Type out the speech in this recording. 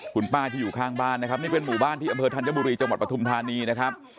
คุณป้าที่อยู่ข้างบ้านนะครับนี่เป็นหมู่บ้านที่อำเภอธัญบุรีจังหวัดปฐุมธานีนะครับ